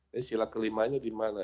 ini sila kelimanya di mana